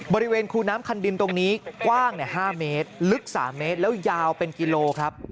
บริเวณคูน้ำคันดินตรงนี้กว้าง๕เมตรลึก๓เมตรแล้วยาวเป็นกิโลครับ